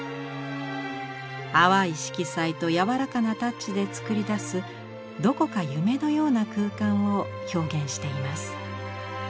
淡い色彩と柔らかなタッチで作り出すどこか夢のような空間を表現しています。